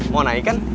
mau naik kan